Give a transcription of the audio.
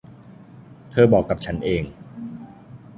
เธอบอกกับฉันเอง